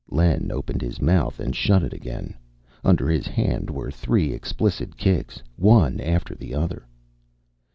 Len opened his mouth and shut it again. Under his hand there were three explicit kicks, one after the other.